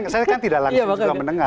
saya kan tidak langsung juga mendengar